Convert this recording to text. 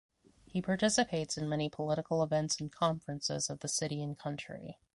He participates in many political events and conferences of the city and country.